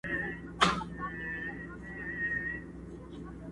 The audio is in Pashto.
؛د خدای د پاره کابل مه ورانوی؛